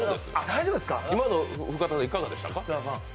今の深田さん、いかがでしたか？